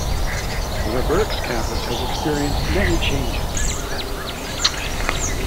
The Berks campus has experienced many changes since then.